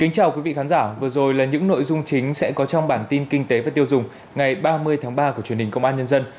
chào mừng quý vị đến với bản tin kinh tế và tiêu dùng ngày ba mươi tháng ba của truyền hình công an nhân dân